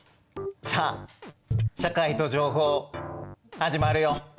さあ「社会と情報」始まるよ。